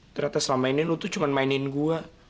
ternyata selama ini lu tuh cuma mainin gue